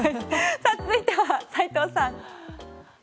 続いては斎藤さん。